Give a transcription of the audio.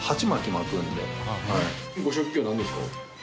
ご職業なんですか？